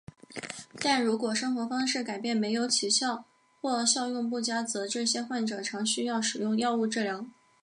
但如果生活方式改变没有起效或效用不佳则这些患者常需要使用药物治疗。